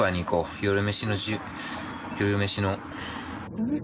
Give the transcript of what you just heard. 夜飯の夜飯の。